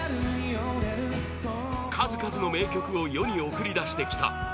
数々の名曲を世に送り出してきた